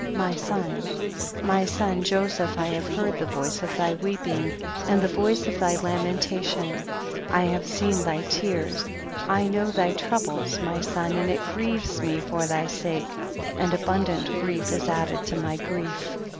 My son, my son Joseph, I have heard the voice of thy weeping and the voice of thy lamentation ; I have seen thy tears ; I know thy troubles, my son, and it grieves me for thy sake, and abundant grief is added to my grief.